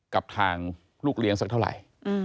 กับทางลูกเลี้ยงสักเท่าไหร่